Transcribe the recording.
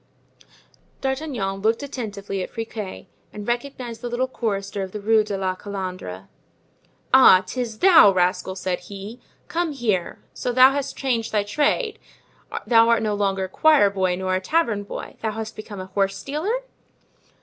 D'Artagnan looked attentively at Friquet and recognized the little chorister of the Rue de la Calandre. "Ah! 'tis thou, rascal!" said he, "come here: so thou hast changed thy trade; thou art no longer a choir boy nor a tavern boy; thou hast become a horse stealer?"